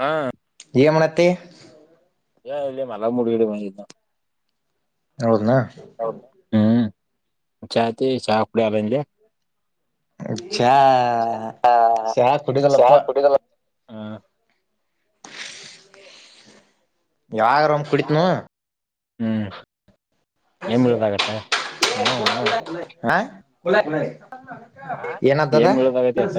ಹಾ ನಿಯವನತೆ ಏ ಇಲ್ಲಿ ಮಲ ಮುಡಿಗಡೆ ಮ ಹೌದನಾ ಹ್ಮ್ ಚಾತಿ ಚಹ ಕುೂಡ ಅಲ್ಲಂದ ಚಾ ಶ ಚಾ ಶ ಕುಡಿದಲ್ಲಪ್ಪ ಕಟ್ಟಲ್ಲ ಹ್ಮ ಯಾಗ್ರ್ ಕುಡಿತನು ಹ್ಮ್ [inaudible] ಏನ್ ಬೀಳದಾಗತ್ತ ಹ ಏನತದ ಏನ್ ಬೀಳದಾಗತಿ ಅಟ್ಟ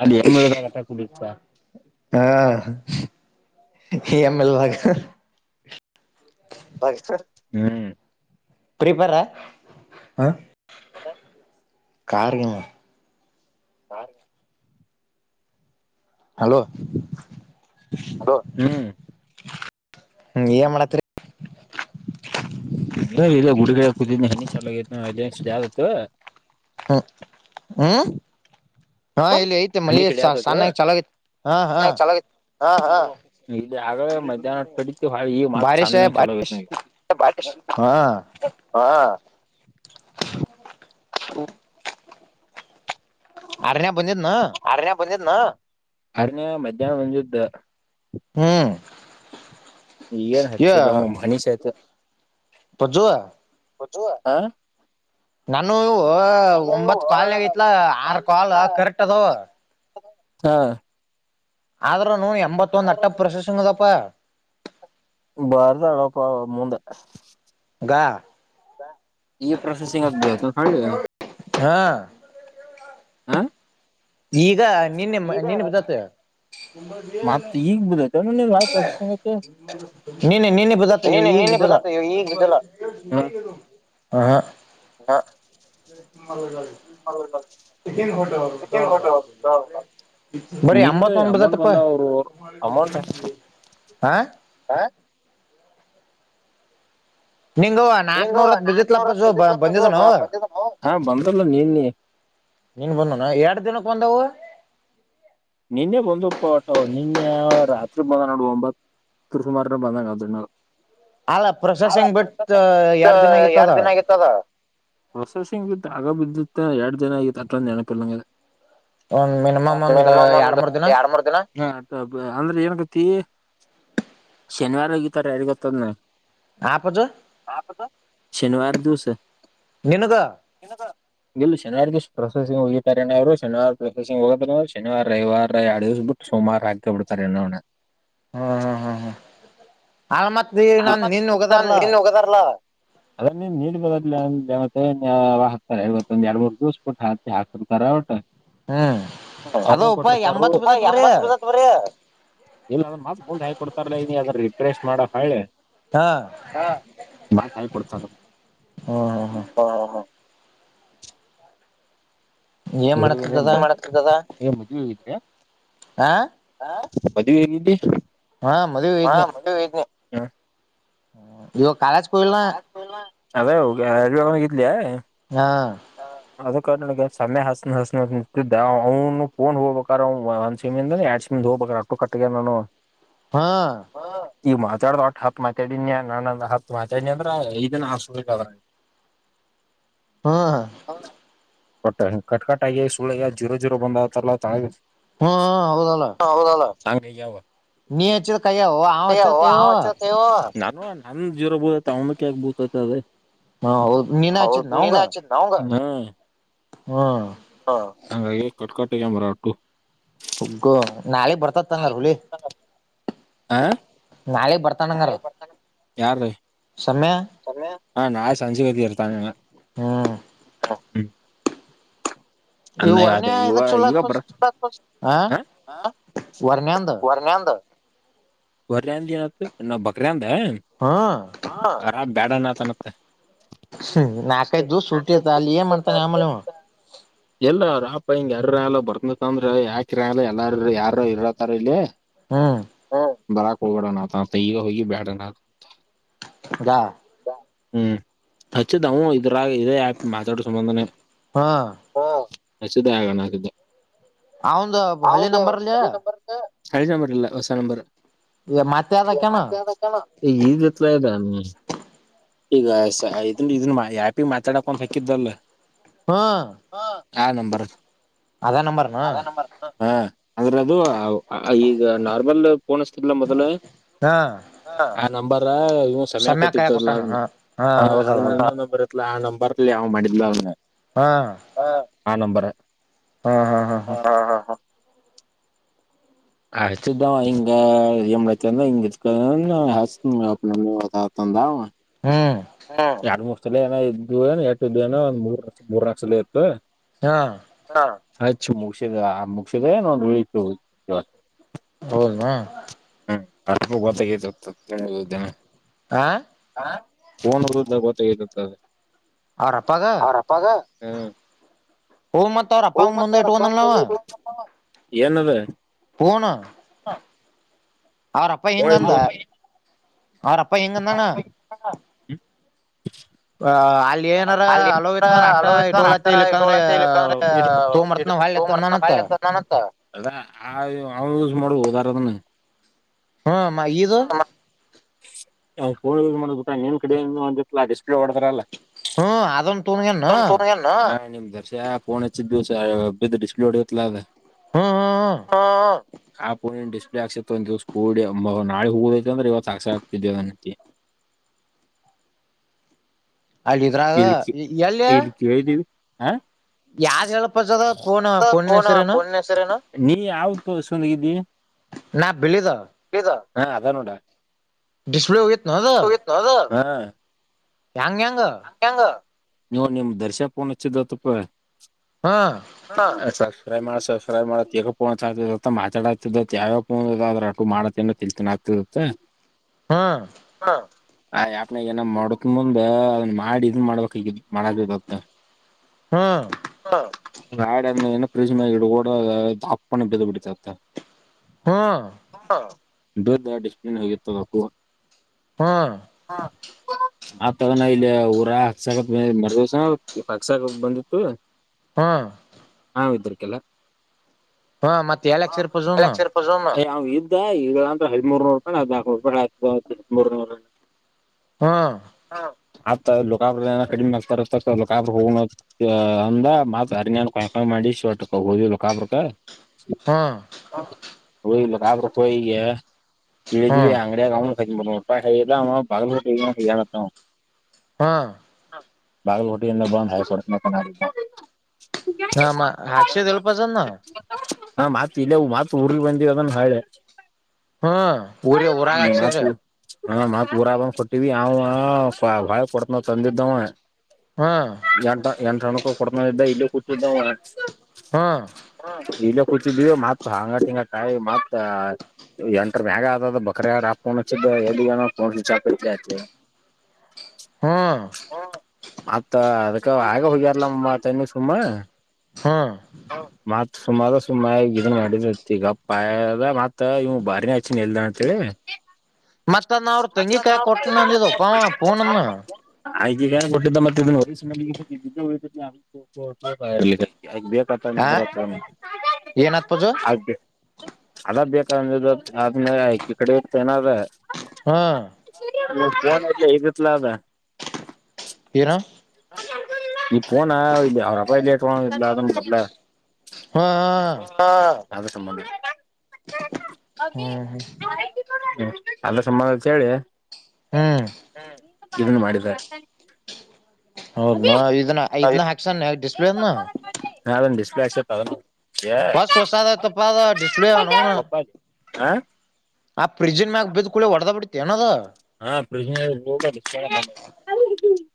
ಅಲ್ಲಿ ಏನ್ ಬೀಳದಾಗತ್ತ ಕುಡಿತ ಹಾ ಹ ಎ ಮಲ್ಗ ಹಾಗಕ ಹ್ಮ್ ಪ್ರೀಪರ ಹ ಕಾರ್ಯಮ ಹಾ ಹಲೋ ಹಲೋ ಹ್ಮ್ ಹ್ಮ್ ಏನ್ ಮಾಡತ್ರಿ ಇ ಇಲ್ಲ ಗುಡಿ ಕುದ ಹಣ್ಣಿ ಚಲತ್ತು ಹ್ಮ ಹ್ಮ ಹಶಡೆ ಆತತ ಐತಿ ಹಾ ಹಾ ಚ ಹಾ ಹಾ ಇ ಆಗ ಮಧ್ಯಾಹ್ನ ಕಡತಿತ್ತು ಹಾ ಈ ಮಾತ್ ಬಾರಿಷ ಚನ್ನ ಬಾರಿ ಚಲೋಗತ್ ನಗೆ ಹಾ ಹಾ ಆರ್ಯ ಮನ್ನಿನ್ನ [unintelligible] [unintelligible] ಹ್ಮ್ ಇನ್ ಹೆಚ್ಚ ಬ ಭಣಿಷತ ಪ್ರಜವಾ ಹ ಹ ನಾನ ಒಂಬತ್ತು ಕಾಲ್ನಗೈತ್ಲ ಆರ್ ಕಾಲ್ ಕರೆಕ್ಟ್ ಅದು ಹಾ ಆದ್ರೂನು ಎಂಬತ್ತೊಂದ್ ಅಟ್ಟ ಪ್ರಶಂಗದಪ್ಪಾ ಬರ್ತಡಕ ಮುಂದೆ ಪ್ಪಾ ಈ ಪ್ರೊಸೆಸಿಂಗ್ ಅಂತ್ಬಿದ್ದತ್ನ ಹೊಳ್ಳಿ ಹಾ ಆ ಈಗ ನಿನ್ನೆ ನಿನ್ನೆ ಬಿದ್ದತಿ ಮತ್ ಈಗ ಬಿದೈತೆ ಪ್ರೊಸೆಸಿಂಗ್ ಐತೆ [unintelligible] ನಿನ್ನೆ ನಿನ್ನೆ ಬದಾತ್ ನೀನೆ ಈಗ್ ನೀನೆ ದಿಲ್ಲ ಬದತ್ತ ಈಗ ಬಿದ್ದಲ್ಲ ಹ ಹ‌ [unintelligible] ಬರೀ ನಿನ್ನೆ ಎಂಬತ್ತೊಂದ್ ಅಮೌಂಟ್ ಬಿದ್ದತಪ್ಪ ಬಂದಾವ ಅವರು ಅಮೌಂಟ್ ಹಾ ನಿಂಗವ್ವ ನಿಂಗ ನಾಕ್ನೂರ ಅತ್ ಬಿದ್ದಿತ್ಲ ನಾಕ್ನೂರ ಪಜ್ಜು ಬಂದಿದ್ವನವ ಬಂದಿತ್ತಪ್ಪ ಹಾ ಬಂದಲ್ಲ ನಿನ್ನೆ ನಿನ್ನೆ ಬಂದನ ಎಟ್ ದಿನಕ್ಕ ಬಂದವು ನಿನ್ನೆ ಬಂದ್ವು ಪಾ ಅಟ್ ಅವು ನಿನ್ನೆ ರಾತ್ರಿ ಬಂದಾನ್ ನೋಡು ಒಂಬತ್ ತ್ರ ಸುಮಾರ ಬಂದಾನ ಅಲ್ಲ ಹಾ ಪ್ರೊಸೆಸಿಂಗ್ ಬಿಟ್ ಎರಡ್ ದಿನ ಎರಡ ಆಗಿತ್ತದ ದಿನ ಆಗಿತ್ತದ ಪ್ರೊಸೆಸಿಂಗ್ ಬಿದ್ ಆಗ ಬಿದ್ದಿತ್ತ ಎಟ್ ಜನ ಆಗಿತ್ತು ಅಟ್ಟೊಂದ್ ನೆನಪ ಇಲ್ನಂಗದ ಒಂದ್ ಮಿನಿಮಮ್ ಒಂದ ಒಂದು ಎರಡು ಮೂರ್ ದಿನ ಅಂದ್ರೆ ಏನಕ್ಕತಿ ಶನಿವಾರ ಒಗಿತಾರ ಯಾರಿಗೊತ್ತದ್ನ ಆ ಪಜು ಶನಿವಾರ ದಿವಸ ನಿನಗ ಇಲ್ಲ ಶನಿವಾರ ದಿವಸ ಪ್ರೊಸೆಸ್ ಸಿಂಗ ಒಗಿತಾರ ಅವರು ಶನಿವಾರ ಪ್ರೊಸೆಸಿಂಗ್ ಒಗದ್ರ‌ ಶನಿವಾರ ರವಿವಾರ ಎರಡು ದಿವ್ಸ್ ಬಿಟ್ಟು ಸೋಮಾರ ಹಾಕಿ ಬಿಡ್ತಾರ‌ ಇನ್ನೋನ ಹ್ಮ್ ಹ್ಮ್ ಹ್ಮ್ ಹ್ಮ್ ಅದ್ ಮತ್ ನೀ ನನ್ ನಿನ್ ನಾನ್ ಒಗದಾರಲ್ಲ ನಿನ್ ಹೋಗದಾರಲ್ಲ ಅದ ನಿಂದ್ ನಿನ್ನೆ ಬಂದತ್ಲಾ ಇನ್ನ ಯಾವಾಗ ಹಾಕ್ತಾರ ಯಾರೀಗೊತ್ತು ಒಂದ್ ಎರಡ್ ಮೂರ್ ದಿವಸ ಬಿಟ್ಟ ಹಕ್ತಿ ಹಾಕಿರ್ತಾರ ಹ್ಮ್ ಅದ ಉಪ ಎಂಬತ್ ಬಿದತ್ [unintelligible] ಬರೀ ಎಂಬತ್ ಬಿದ್ದತ್ ಬರೆ ಇಲ್ಲ ಅದ್ರ ಮತ್ ಮುಂದ್ ಹಾಕ್ ಕೊಡ್ತಾರಲ್ಲೆ ಇಗ್ನಿ ಅದ್ರ ರಿಫ್ರೆಶ್ ಮಾಡ ಹೊಳ್ಳೆ ಹಾ ಹಾ ಮತ್ ಹಾಕಿ ಕೊಡ್ತಾರ ಹ್ಮ್ ಹ್ಮ್ ಹ್ಮ್ ಹಾ ಹಾ ಹಾ ಏನ್ ಮಾಡತ್ತದದ [unintelligible] ಆ ಮದುವಿ ಹೋಗಿದ್ದಿ ಹಾ ಹಾ ಮದುವಿಗ್ ಹೋಗಿದ್ನೀ ಮದುವೆ ಇದ್ನಿ ಹ್ಮ್. ಹ್ಮ ಇವ ಕಾಲೇಜ್ಕ್ ಹೋಗಿಲ್ಲ್ನಾ ಕಾಲೇಜ್ ಹೋಗಿಲ್ಲ ಅದೇ ಹೋಗ ಅರ ಹೋಗಿದ್ಲ್ಯಾ ಹಾ ಸಮ್ಯ ಹಸ್ ಹಚ್ಚ್ತನಿ ನಂತಿದ್ದ ಅವ್ನುಫೋನ್ ಹೋಗ್ಬೇಕಾರ ಒಂದ್ಸಿಮ್ಮಿಂದ ಎರಡ್ ನಿಮ್ಮಿಂದ ಹೋಗ್ಬೇಕಾರ ರೊಕ್ಕ ಕಟ್ ಆಗ್ಯಾವು ನನವು ಹಾ ಈಗ್ ಮಾತಾಡ್ದ ಒಟ್ಟ ಹತ್ ಮಾತಾಡೀನ್ಯಂದ ಹತ್ ಮಾತಾಡ್ನಿ ಅಂದ್ರ ಐದನ ಹಾ ಕೊಟ್ಟ ಕಟ್ಕಟ್ ಆಗ ಸುಳ್ಳ ಜೀರೋ ಜೀರೋ ಬಂದಾತ ಅಲ್ಲ ತಳಗ ಹೂ ಹೂ ಹೌದಲ್ಲ [unintelligible] ನೀ ಹಚ್ಚಿದ ಕೈಯವು ಅವ ಹಚ್ಚಿದ ಕೈಯವು ಹ ನನುವ ನಂದ್ ಜೀರೋ ಬುದೈತಿ ಅವ್ದಕ್ಕ ಯಾಕ್ ಬುಳ್ತೈತದು ಹೌದು ನೀನ ಹಚ್ಚಿದ್ ಹೌದ್ ನೀನ ಹಚ್ಚಿದ್ದೇನ ಅವಂಗ ಹ್ಮ ಹ ಹಂಗಾಗಿ ಕಟ್ಕಟ್ಟೆಗೆ ಮರ ಉಟ್ಟು ಹೊಗ್ಗೋ ನಾಳೀಗ್ ಬರ್ತತ್ ತಂಗರ್ ಹುಲಿ ಆ ನಾಳೀಗ್ ಬರ್ತಾನಂಗರ ಯಾರ ರೀ ಸಮ್ಯ ಹಾ ನಾೆ ಸಂಜಿವತಿರ್ತಾನ ಹ್ಮ್ ಹ್ಮ ಇವು ಅಂದ ವರ್ಣ್ಯ ಅದೇ ಇ ಇದಕ್ ಈಗ ಸುಳ್ಳತ್ ಪ ಬ ಹ ವರ್ನ್ಯಂದ ವರ್ನಂದ ಬರಏನ ನಾ ಬಕ್ರಂದ ಹ್ಮ್ ಹರಾಮ ಬ್ಯಾಡ ನತನತ್ತ ನಾಲ್ಕೈದು ದಿವಸ ಸೂಟಿ ಇತ್ತ ಅಲ್ಲಿ ಏನ್ ಮಾಡ್ತಾನೆ ಆಮೇಲೆ ಅವ ಮತ್ತ ಎಲ್ಲ ಅಪ್ಪ ಹಿಂಗ ಯಾರ ಅ ಬರ್ತನಂದ್ರ ಯಾಕಿ ಅ ಎಲ್ಲಾರ ಯಾರ ಇರತಾರ ಇಲ್ಲಿ ಹ್ಮ್ ಬರಾ ಕಬಡನ ಆತ ತಯಾರ ಹ ಬ ವಾ ಹ್ಮ್ ಹಚ್ಚಿದ್ದವು ಇದ್ರಾಗ ಇದ ಯಾ ಮಾತಾಡೋ ಸಂಬಂಧನೇ ಹಾ ಹಿದ್ದ ಆಗೋಣ ಸ ಅವಂದು ಹ ಹೊಲಿ ಒಂದು ನಂಬರ್ಲ್ಲಿ ನಂಬರ್ ಐಜ ನಂಬರ್ಲ್ಲ ಹೊಸ ನಂಬರ್ ಮತ್ತೆ ಅದಕೇನ ಈತ್ಲ ಇ ನೀ ಈಗ ಇದ ಇದ ಪಿ ಮಾಚ್ಡ ಕ ಫೆಕಿ ದಲ್ಲ ಹ್ಮ ಆ ನಂಬರ್ ಅದ ನಂಬರ್ನ ಅ ನಂಬರ್ ಹ ಅದ್ರದು ಈಗ ನಾರ್ಮಲ್ ನ ಮದಲು ಹಾ ನ ಸಮಯ ಸಮ್ಯ ಕಾಯ ಕೊಟ್ಟಿದ್ದಲ್ಲ ಕೊಟ್ಟಾನ ಇ ಹಾ ಹಾ ಹೌದಲ್ಲ ಹೌದು ಆ ನಂಬರ್ಲ್ಲಿ ಯ ಅವ್ ಮಾಡಿದ್ಲ ಅವ ಹಾ ಹ ಆ ನಂಬರ್ ಹಾ ಹಾ ಹಾ ಹಾ ಹಚ ಇಂಗ ಎಮ್ಮತ ಹ ಹ್ಮ್ ಎರಡ್ ಮೂಕ್ ಸಲ ಏನೋ ಇದ್ದುಏನ ಎಷ್ಟು ಇದ್ದು ನೋ ಒಂದ್ ಮೂರ್ ಮೂರ್ ನಕ ಸಲ ಇತ್ತು ಹಾ ಅ ಮುಕ್ಷೆದ ಮುಕ್ಷೇದ ನ ದಳ ಹಲ್ನಾ ಹ ಗತ್ತಾಗಿನ ಆ ೋನ್ದ ಗೊತ್ತಗತ್ತದೆ ಅವರಪ್ಪಾಗ ಹ್ಮ್ ಅವ್ರ ಅಪ್ಪಂಗ ಹ ಮುಂದೆ ಇಟ್ಕೊಂಡಲ್ ನಾವ ಏನ ಅದ ಹಣ ಅವ್ರಪ್ಪ ನೋಡ್ ಇಲ್ಲಿ ಹಿಂಗಂದ ತೊಗೊಂಡ್- ಅವ್ರಪ್ಪ ಹಿಂಗಂದಾನ ಹ ಅ ಅಲ್ಲಿ ಏನಾರ ಅಲ್ಲಿ ಅಲೋ ಇತ್ತ ಅಟ ಅಲೋ ಇತ್ತ ಅಟ್ಟ ಇಟ್ೋತ್ತ ಇಕಂದ್ರ ಇ ತೋ್ರ್ತ್ನ ನ ನ ಮಾಡದಾರದ ಹ್ಮ ಮ ಇದು ಅವ್ ಫೋನ್ ಯಸ್ ಮಾಡ ನಿನ್ ಕಡೆ ಒಂದಿತ್ತಲಾ ಡಿಸಪ್ಲೇ ಒಡದಾರಲ್ಲಾ ಹ್ಮ್ ಅದಂದು ತುನ್ಗನು ರ್ಸಫೋನ್ ಹೆಚ್ಚ ದಿವ ಅ ಡಿಸಪ್ಲೋಡ್ ಇಲ್ಲಾವ ಹ್ಮ್ ಹ್ಮ್ ಹಾ ಆಾ ಪ ಡಿಸಪ್ಲ ಆಾಸೈತ ಒಂದ್ ದಿವ್ ಕೂಡಿ ನಳೆ ಹೋಗದೈತೆ ಅಂದ್ರ ಇವತ್ತು ಸಾಾಕ್ಷಸ ಆಗ್ತಿದವತಿ ಹಾ ಇಳ್ಕ್ಕಿ ಇಲಕ್ಕಿ ಹೇಳ್ದೀವಿ ಹ ಯಾವ್ದ್ ಹೇಳಪಸದ ಫೋನ್ ಫೋನ್ ಪನ ಹೆಸರೇನು ಪುರ್ಣ್ವರನ ನೀ ಹಸುಂದಗಿದ್ದಿ ನಾ ಬಳದ ಹಾ ಅದ ನೋಡ ಡಿಸಪ್್ಲೇ ಯತ್ತು ನದ ಹಾ ಯಂಗ ಯಂಗ ನೀ ನಿಮ ದರ್ಶಾ ಪೋನ್ ಹಚ್ಚಿದ್ದ ತಪ್ಪ ಹ್ಮ ಫ್ರೈ ಮಾಡ್ಸಫ್ರೈ ಮಾಡಗೋ ಮಾತಡತ ಯಾವ ಅದ ಮಾಡತ ತಿಳ್ತ ಪ ಹಾ ಆ ಯಾಪ್ನಾಗ ಏನ ಮಾಡಕ ಮುಂದ ಅದನ್ ಮಾಡಿ ಇದನ್ ಮಾಡ್ಬೇಕಕ್ ಈಗ ಮಾಡತ್ತ ಹ್ಮ್ ಗಾಡಂದ ಏ ಪ್ರೋಜನ ಆಗಿ ಕೋಡ ದಪ್ಪನ ಬದ ಬಿಡಿತತ್ತ ಹ್ಮ ದೊಡ್ಡಿಸನ್ ಹೋಗಿ ತಗು ಹ್ಮ್ ಆ ತಗೊಂಡ [inaudible] ಇಲ್ಲಿ ಊರ ಹಕ್ಸಕತ್ ಮೇ ಮರದಿವಸ ಹಕ್ಸಕ ಬಂದಿತ್ತು ಹ್ಮ ಹಾ ಇದ್ರಕಲ್ಲ [inaudible] ಹ್ಮ ಮತ್ತ ಎಲ್ ಹಾಕ್ಸಿರ್ ಪಜನ್ ಹ್ಮ್ ನಾವ ಇದ್ದ ಈಗ ಅ್ರ ಹದಿಮೂರು ರೂಪಾಯಿ ಹದ್ಾಲ್ಕೂರು ರೂಪಾಯಯತ ಹದಿೂನೂರು [inaudible] ಹಾ ಆತೊಕಾಬ್ರ ಕಡಿಮೆ ಆತತಕಾಬ್ರ ಹೋಗ್ ಅಂದ ಮತ್ ಅರ್ನ್ ಕಕ ಮಾಡಿ ಶ ಹೋದ ಕಾಪಕ ಹ್ಮ್ ಮುಗಾವರತೋ ಈ [inaudible] ತಿಳ ಹ್ಮ್ ಹಾಂಗಡ ಗ ಮಊಟಲ್ಲ ಭ [inaudible] ಹಾ ಬಾಗ ಹೊೋಟಿ ಅಂದ ಬಂದ ಹ ಸ್ವರನಾ ಕ ಹಾಕ್ಸಿದಲ್ಪಜನ್ನ ಹಾ ಮತ್ ಇಲ್ಲ ಮತ್ ಊರ್ಗೆ ಬಂದಿವವ ಅದನ್ ಹೆತ್ ಹ್ಮ ಊರ ಊರಾಗ ಹಾಕ್ಸಿದ್ರ [inaudible] ಹ ಮ ಪೂರಬಂದ್ ಕೊಟ್ಟಿವವಿ ಅವ ಭಾಳ ಕೊಡ್ತನಾವ್ ತಂದಿದ್ದಾವ ಹ್ಮ ಎ ಎಂಟಣಕ್ಕ ಕೊಡತ ಇದ್ದ ಇಲ್ಲಿ ಕುಟ್ಟಿದ್ದ ಹ್ಮ ಇಲ್ಲ ಕುಚಿದ್ದೀವು ಮತ್ ಹಂಗ ತಿಿಂಗ ಕಾಯಿ ಮತ್ತ ಎಂಟ್ರ ಮೇಗ ಆದದ ಬಕ್ರ ಯಾರ ಆ ಫೋನ್ ಹಚ್ಚಿದ್ದ ಫೋನ್ೀಚ್ ಆ ಆಯತ್ೇಳ ಹಾ ಮತ್ತ ಅದಕ್ಕ ಆಗ ಹೋಗ್ಯಾರಲಮ್ಮತ್ ಇ್ಣ ಸುಮ್ಮ ಹ್ಮ ಸುಮಾದ ಸುಮ್ಮ ಈ ಇದನ್ ಮಾಡಿದ್ತಿ ಈಗಪ್ಪದ ಮತ್ತ ಇವ ಬಾರಿಿನ ಹಚ್ಚನ್ ನಿಲ್ದ ಅಂತೇಳಿ ಮತ್ತನ್ ಅವ್ರರು ತಂಗಿ ಕಾಯಿ ಕೊಟ್ಟನಂದಿದ ಪಾವ ಫೋನನ್ನು ಆಗ ಕೊಟ್ಟಿದ್ದ ಮತ್ತೆ ಇದ [inaudible] ಆ ಸ್ತಂತ್ರ ಅೆ ಏನತ್ ಪೂಜು [inaudible] ಅದ ಬೇಕಂದ ಆದ್ಮೇಲೆಕ್ಕಿ ಕಡೆ ಇತ ನಾದ್ರ [inaudible] ಹಾ ೋ ಇಗತ್ಲ ಅದ ಇರ ಈ ಫೋನ ಅವರ ಅಪ್ಪಾಜಿ ಎತ್ಕೊಂಡು ಹ್ಮ ಹ ಯದು ಸಂಬಂಧ [inaudible] ಹ್ಮ್ ಹ್ಮ್ ಅಲ್ಲ ಸಂಬಂಧ ಹೇಳಿ ಹ್ಮ್ ಇದನ್ನು ಮಾಡಿದ ಹೌದನ ಇದನ್ನ ಇದನ್ನ ಹಾಕ್ಸನ್ ಡಿಸ್ಪ್ಲೇನ ನದ ಡಿಸಪ್ಲ ಆ ಹೊಸ ಹೊಸಹೊಸದಾಯ್ತಪ್ಪ ಅದು ಡಿಸ್ಪ್ಲೇ ಅವನೌನು ಹಾ ಆಫ್ರಿಜನ್ ಮ್ಯಾಗ ಬಿದ್ದ ಕೂ ಹೊಡೆದ ಬಿಡ್ತಿ ಏನದು. ಹಾ ಫ್ರಿಡ್ಜ್ ಮೇಲ್ ಬಿದ್ [unintelligible]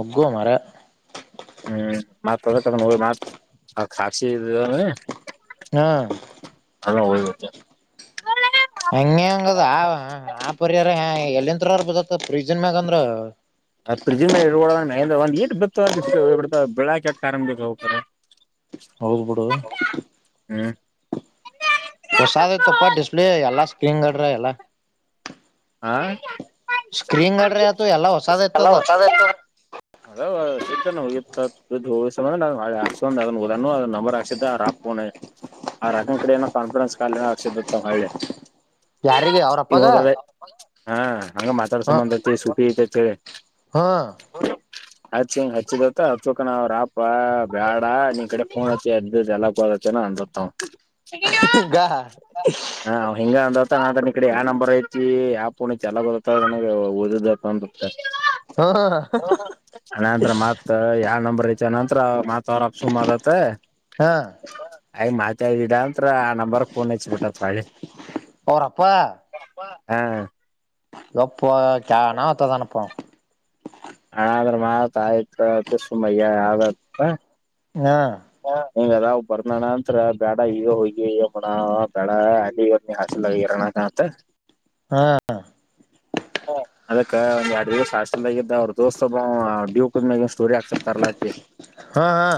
ಒಗ್ಗೋ ಮಾರಾಯ. ಹ್ಮ್ ಮತ್ ತ ತೊಂಡ ನೋಡಿ ಮತ್ ಕಾಸಿ ಇದ. [inaudible] ಹಾ. [unintelligible] ಹಂಗೆ ಹಂಗದ ಆ ಆ ಪರಿಯಾರ ಎಲ್ಲಿತ್ರ ಬತ್ತ ಪ್ರೀಜನ್ ಮ್ಯಾಗ ಅಂದ್ರ. ಆ ಫ್ರಿಜ್ ಮೇಲಿಡಬೇಡ. ಇರ್ ಬೆಳಕಟ್ಟ ಕಾರಣ ಬೇಕ ಹೋಗ್ತಾರೆ. ಹೌದ್ ಬಿಡು [inaudible] ಹ್ಮ. ಹೊಸಾದ್ ತಪ್ಪ ಡಿಸ್ಪ್ಲೇ ಎಲ್ಲಾ ಸ್ಕ್ರೀನ್ ಗಡ್ರ ಎಲ್ಲಾ. ಹ್ಮ ಸ್ಕ್ರೀನ್ ಗಡ್ರ ಆತು ಎಲ್ಲಾ ಹೊಸಾದ ಎಲ್ಲ ಐತದ ಹೊತದತ ಅದ ಸತನ ಹೋಗಿತ [inaudible] ಹಾೊಂಡ್ ಅದದ ಅದ ನಂಬರ್ ಹಾಕ್ಸಿದ್ದ ಹಾಕಣ ಆ ರಂಗ ಕಡೆಯನೋ ಕಾನ್ಫರೆನ್ಸ್ ಕಾಲ ಆಕ್ಷೇಪ ಮಾಡೆ ಯಾರಿಗೆ ಅವ್ರಪ್ಪಾಗ ಹಾ ಹಂಗ ಮಾತಾಡ್ಸಬಂಐತಿ ಸುಪಿ ಐತೆ ಹೇಳೇಳಿ ಹಾ ಹಚ್ಚ ಹಂಗ ಹಚ್ಚಿದತ್ತ ಹಚ್ಚಕ ನ ರಾಪ ಬ್ಯಾಡ ನಿನ ಕಡೆ ಫೋನ್ ಹಚ್ಚಿದ್ದ ಎಲ್ಲಾೋದತ್ತನ ಗ ಹ ಹಿಂಗ ಅಂದ ಅನ ಈ ಕಡೆ ಯಾವ ನಂಬರ್ ಐತಿ ಆ ಫೋ ಚೆಲ ಬದತ್ತನ ಓದದ ಅಂತತ್ತ ಹ ಅಣಂದ್ರ ಮತ್ ಯಾವ ನಂಬರ್ ಐತಿ ಅನಂತತ್ರ ಮತ್ ತರಪ್ಸು ಮಾಡದತ ಹ ಆಐ ಮಾತಡಾಮ ಮ ನಂಬರಫೋನ್ ಯಚ ಬಿಟ್ಟ ಹಾಗಳಿ ಅವ್ರಪ್ಪ ಹಾ ಯಪ್ಪ ಚ ನಾ ಒತ್ತ ತನಪ್ಪ ಹ್ರೆ ಮಾತ್ ಆಯ್ತ ಸುಮ್ಮಯ ಆ ಹಾ ಹಂಗ ಅದಾವ ಬರ್ನಣಂತರ ಬೇಡ ಈಗ ಹೋಗಿ ಅಮ್ಮಣ ಬೇಡ ಅಲ್ಲಿಿ ಹಾಸಲ್ ಆಗರೋಣ್ಣ ನತ ಹಾ ಹ ಅದಕ್ಕ ಒಂದ ಎರಡ್ ದಿವಸ ಹಾಸ್ಟೆಲ್ದಾಗ ಇದಿದ್ದ ಅವ್ರ ದೋಸ್ೊಬ ಡ್ಯೂ ಕ್ಯಾಗನ್ ಸ್ಟೋರಿ ಹಾಕ್ಸಪ್ತರ್ಲಾತಿ ಹಾ ಹಾ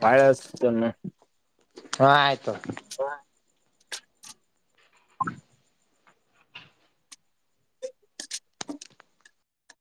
ಭಳಷ್ಟತನ್ನ ಹಾ ಆಯ್ತು [unintelligible]